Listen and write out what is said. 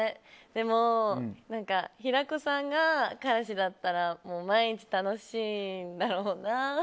でも、平子さんが彼氏だったらもう毎日、楽しいんだろうな。